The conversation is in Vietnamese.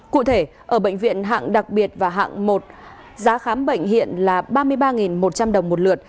cụ thể ở bệnh viện hạng đặc biệt và hạng một giá khám bệnh hiện là ba mươi ba một trăm linh đồng một lượt